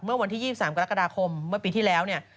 เมื่อวันที่๒๓กรกฎาคมเมื่อปีที่แล้วเนี่ย